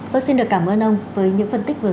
vâng xin được cảm ơn ông với những phân tích vừa rồi